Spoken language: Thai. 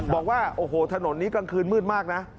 บอกว่าโอ้โหถนนนี้กลางคืนมืดมากนะ